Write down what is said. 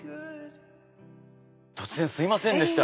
突然すいませんでした。